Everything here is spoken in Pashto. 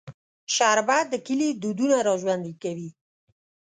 شربت د کلي دودونه راژوندي کوي